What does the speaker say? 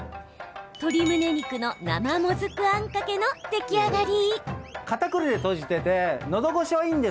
鶏むね肉の生もずくあんかけの出来上がり。